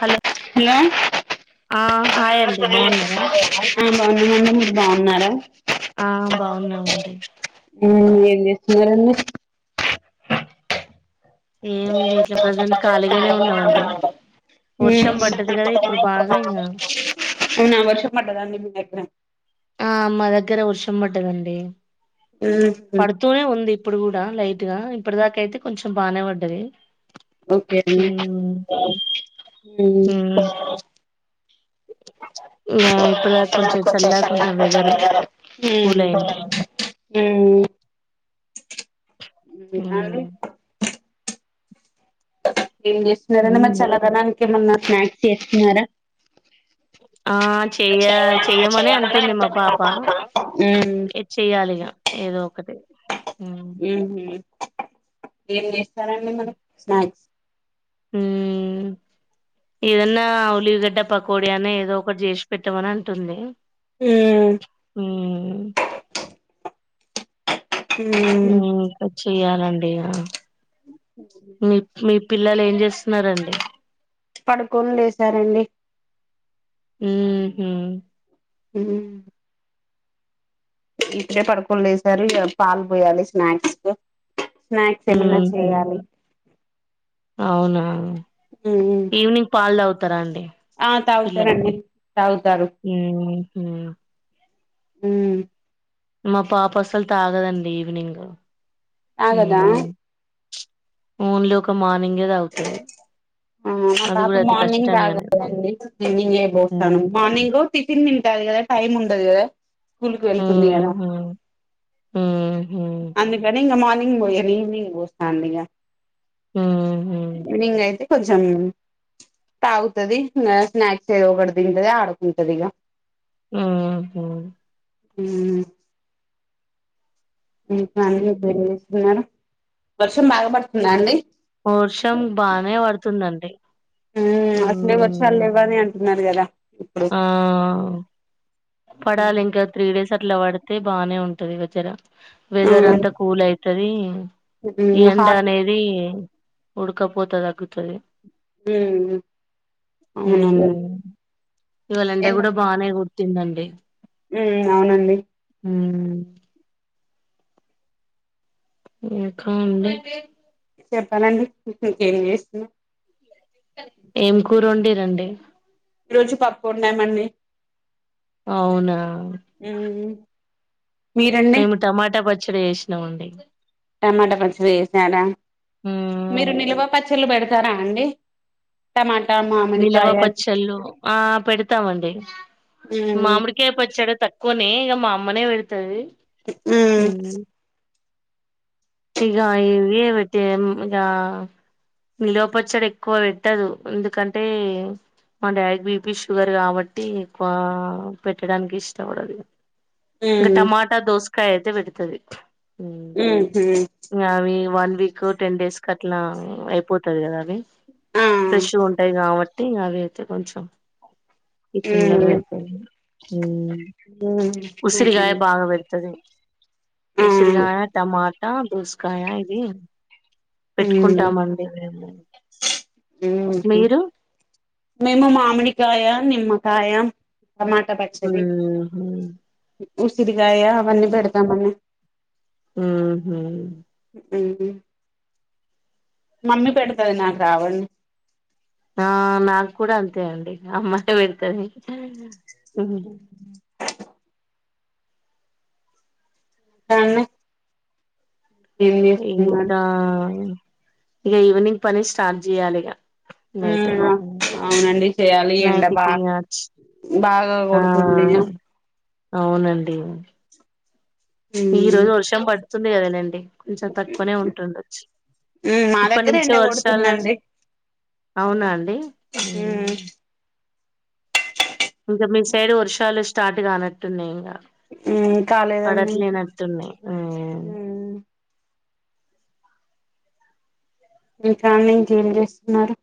Hello hello ఆ hi అండి బాగున్నారా [unintelligible] ఆ బావున్నాండి మీరు బావున్నారా ఆ బాగున్నామండి వ్మ్ ఏం చేస్తున్నారండి ఏం జేయట్లే ప్రజెంట్ ఖాళీగానే ఉన్నామండి వర్షం పడ్డది కదా ఇప్పుడు బాగా ఇంగ అవునా వర్షం పడ్డాదా నీ మీ దగ్గర ఆ మా దగ్గర వర్షం పడ్డదండి ఉహు తూనే ఉంది ఇప్పుడు కూడా లైట్ గా ఇప్పుడు దాకా అయితే కొంచెం బానే పడ్డది ఓకే అండి ఉమ్ ఆ ఉమ్ ఇంగా ఇప్పుడు దాకా కొంచెం చల్లగా కొంచెం వెదర్ కూల్ అయింది ఉమ్ ఉమ్ ఏం చేస్తున్నరండి మరి ఉమ్ చలదనానికి ఏమన్నా స్నాక్స్ చేస్తున్నారా ఆ చెయ్య చెయ్యమనే అంటుంది మా పాప ఉమ్ చెయ్యాలిగా ఏదో ఒకటి ఉమ్ ఉహు ఏం చేస్తారండి మరీ స్నాక్స్ హమ్ ఏదన్నా ఉల్లిగడ్డ పకోడి అనే ఏదో ఒకటి చేసి పెట్టామని అంటుంది ఉమ్ హమ్ ఉమ్ ఏంటో చెయ్యాలండి ఇగ మీ పిల్లలు ఏం చేస్తున్నారండి పడుకొని లేసారండి ఉహూ ఉమ్ ఇప్పుడే పడుకోనీ లేసారు ఇక పాలు పోయాలి స్నాక్స్ స్నాక్స్ ఏమన్నా మ్మ్ హు చేయాలి అవునా ఉమ్ ఈవినింగ్ పాలు తాగుతారా అండి ఆ తాగుతారండి తాగుతారు ఉహు ఉమ్ మా పాప అసలు తాగదండి ఈవినింగ్ తాగదా మ్మ్ ఓన్లీ ఒక మార్నింగే తాగుతది ఆ మా అది కూడా పాప అతి మార్నింగ్ కష్టంగానే తాగదండి ఈవినింగే పోస్తాను మ్మ్ మార్నింగ్ టిఫిన్ తింటాది కదా టైమ్ ఉండదు కదా స్కూల్ కి వెళ్తుంది కదా మ్మ్ హు మ్మ్ హు అందుకనీ మార్నింగ్ పోయను ఈవనింగ్ పోస్తా అండి ఇగ ఉహు ఈవినింగ్ అయితే కొంచెం తాగుతది స్నాక్స్ ఏదోఒకటి తింటది ఆడుకుంటది ఇక ఉహూ ఉమ్ ఇకా అండి ఏం చేస్తున్నారు వర్షం బాగా పడుతుందా అండి వోర్షం బానే పడుతుందండి అసలే వర్షాలు మ్మ్ లేవని అంటున్నారు కదా ఇప్పుడు ఆ పడాలింక త్రీ డేస్ అట్లా పడితే బానే ఉంటది వేదర్ వెదర్ మ్మ్ అంతా కూల్ అయితది ఈ మ్మ్ ఎండ హాట్ అనేది ఉడకపోత తగ్గుతది అవునవును మ్మ్ ఇవాళ ఎండ కూడా బాగానే కూర్తుందండి ఉమ్ అవునండి హ ఏకా ఉన్నాయ్ చెప్పాలండి ఇంకేం చేస్తున్నావ్ ఏం కూర వండిర్రు అండి ఈ రోజు పప్పు వండాము అండి అవునా ఉ మీరు అండి మేము టమాటా పచ్చడి చేసినాం అండి టమాటా పచ్చిడి చేసినారా మ్మ్ మీరు నిల్వ పచ్చళ్ళు పెడతారా అండి టమాటా మామ్ నిల్వ పచ్చళ్ళు ఆ పెడతామండి మ్మ్ మామిడి కే పచ్చాడ తక్కువనే ఇగ మా అమ్మనే పెడతది మ్మ్ ఊ ఇగా ఇవే పెట్టే మ్ గా నిల్వ పచ్చడి ఎక్కువ పెట్టదు ఎందుకంటే మా డాడీకి బిపీ షుగర్ కాబట్టి ఎక్కువ పెట్టడానికి ఇష్టపడదు ఇగ ఇంకా మ్మ్ టమాటా దోసకాయ అయితే పెడుతది ఉహు అవి వన్ వీక్ టెన్ డేస్ క అట్లా అయిపోతది కదా అవి ఆ ఫ్రెష్ ఉంటాయి కాబట్టి ఇంగ అవి అయితే కొంచెం టిపిన్ లా మ్మ్ పెడుతది ఉ మ్మ్ ఉసిరికాయ ఓకేండి బాగా పెడుతది ఆ ఉసిరిగాయ, టమాటా, దోసకాయ ఇది మ్మ్ పెట్టుకుంటామండి మేము మ్హు మీరు మేము మామిడికాయ, నిమ్మకాయ, టమాట పచ్చడి ఉహు ఉసిరికాయ అవన్నీ పెడతామును ఉహు ఊ మమ్మీ పెడతది నాకు రావండి ఆ నాకు కూడా అంతే అండి అమ్మా పెడతది అను చేస్తున్నారు ఇంకా ఇగ ఈవెనింగ్ పని స్టార్ట్ చేయాలి ఇగ ఉనా అవునండి చేయాలి ఎండ నైట్ కి బాగా బాగా ఆ కొడుతుంది ఇగ అవునండి ఈ మ్మ్ రోజు వర్షం పడుతుంది కదా నండి కొంచెం తక్కువనే ఉంటుండొచ్చు ఉమ్ మా ఇప్పటి దగ్గర నుంచే ఎండ వర్షాలు వస్ కొడుతుందండి అవునా అండి ఉమ్ ఇంకా మీ సైడ్ వర్షాలు స్టార్ట్ కానట్టున్నాయి ఇంకా ఉమ్ కాలేదండి ఇంకా పడట్లేనట్టున్నాయి ఉ ఉమ్ ఇంకా మీ ఇంట్లో ఏం చేస్తున్నారు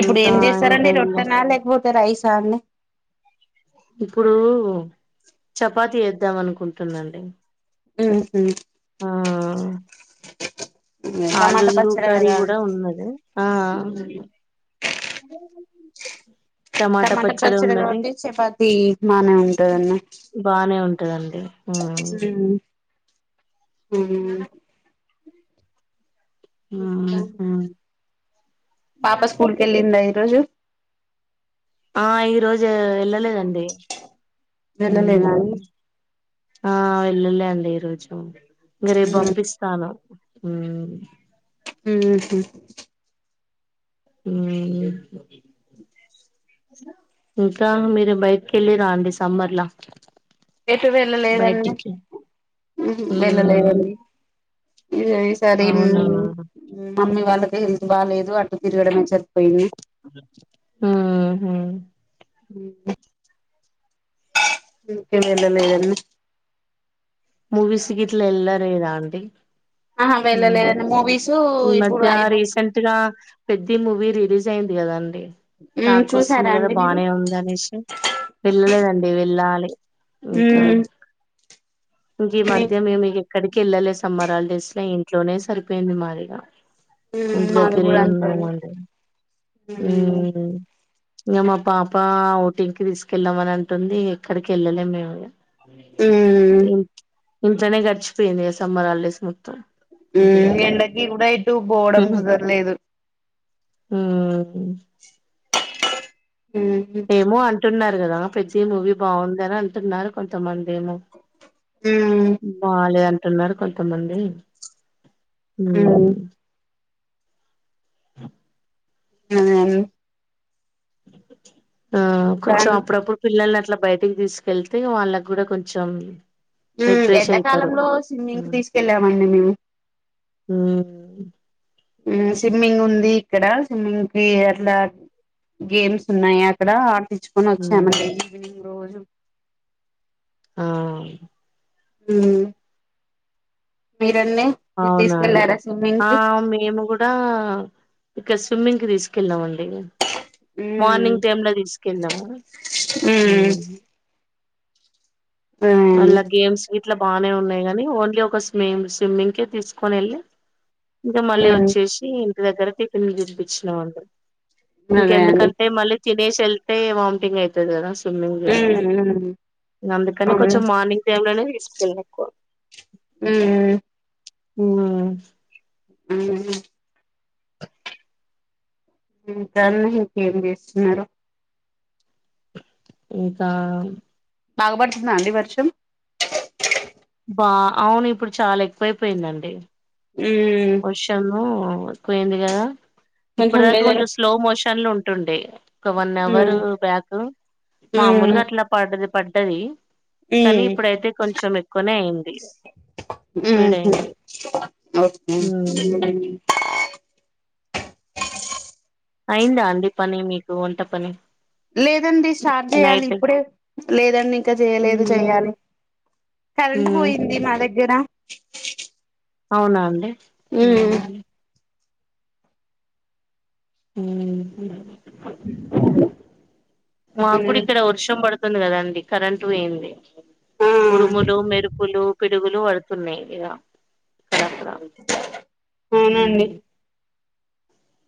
ఇప్పుడు ఇంకా ఏం ఇంకా చేసరండి ఇలా రొట్టెనా లేకపోతే రైస్ అండి ఇప్పుడు చపాతి చేద్దాం అనుకుంటున్నా అండి ఉహు ఆ ఆ టమాటా ఆలులు పచ్చడి కర్రీ కదా కూడా ఉన్నద ఆ ఆ టమాటా పచ్చడి కాబట్టి చపాతి బానే ఉంటది అండి బానే ఉంటదండి ఉమ్. ఉం ఉం ఉమ్, ఇంకా ఉమ్. పాప, స్కూల్ కి వెళ్లిందా ఈరోజు? ఆ, ఈరోజు వెళ్లలేదండి. వెళ్లలేదా అండి ఆ, వెళ్లలేదండి ఈరోజు. ఇగ రేపు ఉమ్ పంపిస్తాను ఉం. హు హామ్ ఉం ఇంకా మీరు బయటకి వెల్లిరా అండి? సమ్మర్ ల. ఎటూ వెళ్లలేదండి. హు హామ్, మ్మ్ వెళ్లలేదండి ఇగ ఈసారి. అవునా ఉం. మమ్మీ వాళ్లకి హెల్త్ బాలేదు. అట తిరగడమేచరిపోయింది. మ్మ్ హ్మ్ అందుకే వెళ్లలేదండి. మూవీస్ గిట్ల, ఎల్లలేదా అంటీ. ఆహా ఉం వెళ్ళలేదండి మూవీస్ ఈ ఇప్పుడు మధ్య ఐబొమ్మ రీసెంట్. గా పెద్ది మూవీ రిలీజ్ అయింది కదాండి. టాక్ వస్తుంది చూసారా గదా, అండి మీరు బానే ఉందనేసి. వెళ్లలేదండి వెళ్లాలి. ఇంకా మ్మ్ ఇంకా ఈ మధ్య మేమీగా ఎక్కడికి వెళ్లలే, సమ్మర హాల్డేస్ల ఇంట్లోనే సరిపోయింది మాదిగా. ఇంటి మాది దగ్గరే కూడా అంతే అండి ఉన్నామండి. మ్మ్ ఉం ఇగ, మా పాప ఔటింగ్కి తీసుకెళ్లామని అంటుంది. ఎక్కడికి వెళ్లే మేము ఇగ. ఉం ఇం ఇంట్లనే గడిచిపోయింది, గా సమ్మర్ ఆల్డేస్ మొత్తం. ఇంటి ఉం. దగ్గరనే ఎండకి గూడా, ఏటు పోవడం కుదరలేదు. హు హామ్ హు హామ్ ఏమో అంటున్నారు కదా, పెద్ది మూవీ బాగుంది అని అంటున్నారు. కొంతమంది ఏమో? ఉం బాలేదు అంటున్నారు కొంతమంది ఉం మ్మ్ [unintelligible] ఆ కొంచెం అండి. అప్పుడప్పుడు పిల్లల్ని అట్లా, బయటికి తీసుకెళ్తే వాళ్ల గూడా కొంచెం. ఉం, రిఫ్రెష్ ఎండ అయితారు కాలంలో స్విమ్మింగ్ కి, తీసుకెళ్ళామండి మేము. ఉం ఉం స్విమ్మింగ్ ఉంది, ఇక్కడ స్విమ్మింగ్ కి అట్లా. గేమ్స్ ఉన్నాయి అక్కడ, ఆడిపిచుకొని ఉమ్ వచ్చామండి ఈవినింగ్ రోజు. ఆ ఉం మీరండి మీరు అవునండి. తీసుకెళ్లారా స్విమ్మింగ్ ఆ కి మేము గూడా. గూడా, ఇక్కడ స్విమ్మింగ్ కి తీసుకెళ్ళామండి. ఉమ్, మార్నింగ్ టైమ్ లో, తీసుకెళ్లము. ఉమ్, ఉం ఉమ్, అల్లా గేమ్స్ గీట్లా బాగానే ఉన్నాయి గానీ, ఓన్లీ ఒక స్విమ్ స్విమ్మింగ్ కే తీసుకొని వెళ్లి. ఇగ మళ్లీ ఉమ్, వచ్చేసి ఇంటి దగ్గర టిఫిన్ తినిపించినాం అండి అదే అండి. ఇంకెందుకంటే మళ్లీ తినేసి వెళ్తే వామిటింగ్ అయితది గదా, స్విమ్మింగ్ జేస్తే ఉమ్, ఉమ్, ఇంగ అందుకని అవును. కొంచెం మార్నింగ్ టైమ్లనే, తీసుకెళ్లిన ఎక్కువ మ్మ్ మ్మ్ ఆ మ్మ్ మ్మ్ ఇంకండి ఇంకేం జేస్తున్నారు ఇక బాగాపడుతుందా అండి వర్షం బా అవును ఇప్పుడు చాలా ఎక్కువైపోయిందండి మ్మ్ వర్షము ఎక్కువయింది కదా ఇప్పుడు దాకా కొంచెం స్లో మోషన్లు ఉంటుండే ఒక వన్ అవర్ ఉమ్, బ్యాక్ ఉమ్, మామూలుగా అట్ల పడ్డది పడ్డది కానీ ఉమ్, ఇప్పుడైతే కొంచెం ఎక్కువనే అయింది ఉమ్, స్పీడ్ అయింది ఉమ్. [inaudible] అయిందా అండి పని మీకు వంట పని లేదండి స్టార్ట్ చేయాలి నైట్ ఇప్పుడే లేదండి ఇంకా చేయలేదు ఉమ్, చెయ్యాలి కరెంట్ ఉమ్. పోయింది మా దగ్గర అవునా అండి ఉమ్ మ్మ్ మ్మ్ మాకు కూడా ఇక్కడ వర్షం పడు తంది కదండి కరెంటు పోయింది ఆ ఉరుములు మెరుప [inaudible] పులు పిడుగులు పడుతున్నాయి ఈడ అక్కడ అక్కడ అవునండి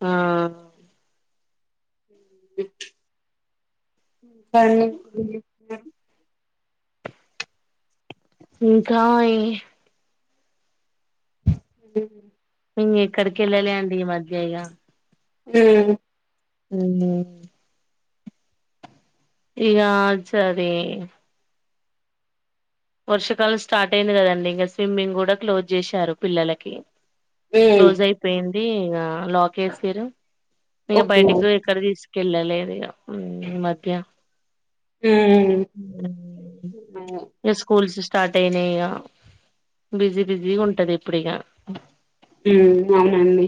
ఆ [unintelligible] ఇంకా ఏ మ్మ్ ఇంగేక్కడికి వెళ్ళలే అండి ఈ మధ్య ఇగ మ్మ్ మ్మ్ ఇగ సరే వర్షకాలం స్టార్ట్ అయ్యింది కదండి ఇంగ స్విమ్మింగ్ కూడా క్లోజ్ చేశారు పిల్లలకి క్లోజ్ అయిపోయింది ఇగ లాక్ ఏసిర్రు ఇక ఓకే బయటికు ఎక్కడ తీసుకెళ్ళలేదు ఇగ ఈ మధ్య ఉమ్ [inaudible] ఇగ స్కూల్స్ స్టార్ట్ అయినాయి ఇగ బిజీ బిజీ గుంటది ఇప్పుడు ఇగ మ్మ్ అవునండి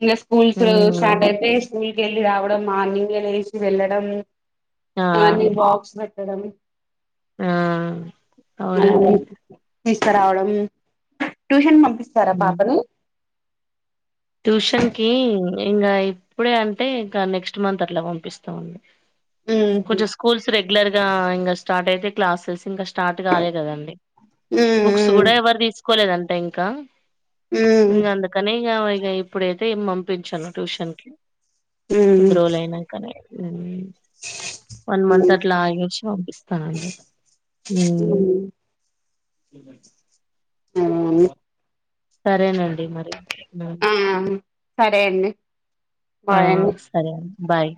ఇంగ స్కూల్స్ స్టార్ట్ అయితే స్కూల్ కెళ్ళి రావడం మార్నింగే లేసి వెళ్ళడం ఆ అవన్నీ బాక్స్ పెట్ మేడమ్ ఆ ఆ అవునండి తీసుకురావడం ట్యూషన్ కు పంపిస్తారా ఉమ్ పాపని ట్యూషన్ కి ఇంగ ఇప్పుడే అంటే ఇంకా నెక్స్ట్ మంత్ అట్ల పంపిస్తామండి ఉమ్ కొంచెం స్కూల్స్ రెగ్యులర్ గా ఇంగ స్టార్ట్ అయితే క్లాసెస్ ఇంకా స్ట స్టార్ట్ కాలే కదండి బుక్స్ ఉమ్ కూడా ఎవరు తీసుకోలేదంట ఇంకా ఉమ్ ఇంగ అందుకని ఇగ ఇగ ఇప్పుడైతే ఏం పంపించను ట్యూషన్ కి ఉమ్ కొద్ది రోజులయినంకనే వన్ మంత్ ఉమ్ అట్లా ఆగేసి పంపిస్తా నండి ఉమ్ ఉ ఉ సరేనండి మరి బాయ్ ఆ సరే అండి ఆ బాయ్ అండి సరే ఆన్ బాయ్